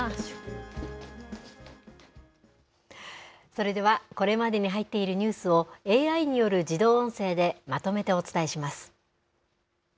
それでは、これまでに入っているニュースを、ＡＩによる自動音声でまとめてお伝えします。